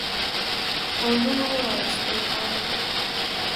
پوځونو را ایستل غواړي.